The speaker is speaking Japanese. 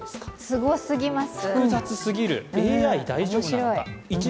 すごすぎます。